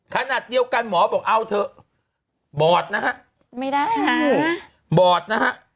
ขนาดเดียวกันหมอบอกเอาเถอะบอดนะฮะไม่ได้ค่ะบอดนะฮะ